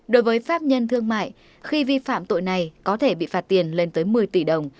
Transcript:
đối với pháp nhân thương mại khi vi phạm tội này có thể bị phạt tiền lên tới một mươi tỷ đồng